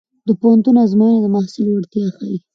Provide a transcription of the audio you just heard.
د پوهنتون ازموینې د محصل وړتیا ښيي.